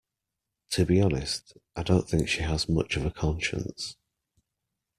To be honest, I don’t think she has much of a conscience.